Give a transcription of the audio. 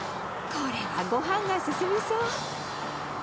これはごはんが進みそう。